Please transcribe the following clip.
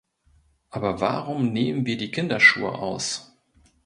Aber warum nehmen wir die Kinderschuhe aus?